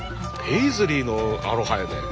ペイズリーのアロハやで。